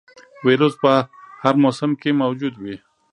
ویروس په هر موسم کې موجود وي.